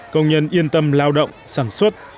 công nhân yên tâm lao động sản xuất